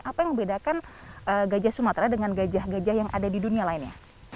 apa yang membedakan gajah sumatera dengan gajah gajah yang ada di dunia lainnya